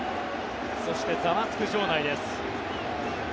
そして、ざわつく場内です。